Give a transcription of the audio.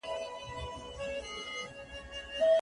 د سندي او خپلواکي څېړني ترمنځ خورا ډېر او لوی توپیر سته.